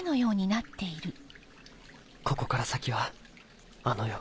ここから先はあの世。